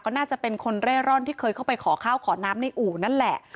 ก็น่าจะเป็นคนเร่ร่อนที่เคยเข้าไปขอข้าวขอน้ำในอู่นั่นแหละ